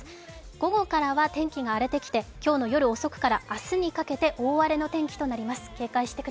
午後からは天気が荒れてきて今日の夜遅くから明日にかけて大荒れの天気となります。